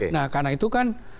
nah karena itu kan